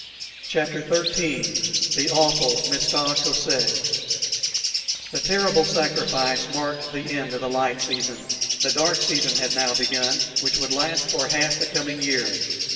CHAPTER XIII THE AWFUL "MISTA KOSEK" The terrible sacrifice marked the end of the light season. The dark season had now begun, which would last for half the coming year.